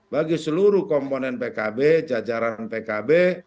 bagi seluruh komponen pkb jajaran pkb